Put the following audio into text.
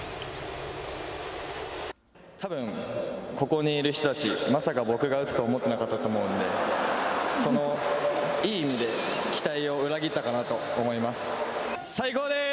たぶん、ここにいる人たちまさか僕が打つと思ってなかったと思うのでそのいい意味で期待を裏切ったかなと思います。